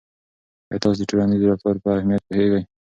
آیا تاسو د ټولنیز رفتار په اهمیت پوهیږئ.